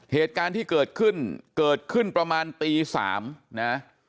เหตุการณ์ที่เกิดขึ้นเกิดขึ้นประมาณตี๓นะ